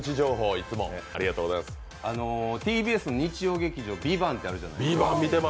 ＴＢＳ日曜劇場「ＶＩＶＡＮＴ」ってあるじゃないですか。